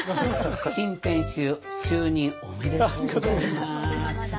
新店主就任おめでとうございます。